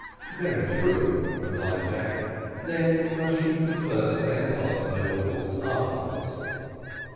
"Very true," replied Jack; "then we must shoot them first, and toss them overboard afterwards."